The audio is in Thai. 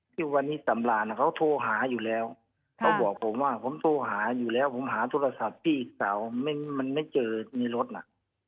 ที่วันนี้สำรานเขาโทรหาอยู่แล้วเขาบอกผมว่าผมโทรหาอยู่แล้วผมหาโทรศัพท์พี่สาวมันไม่เจอในรถน่ะ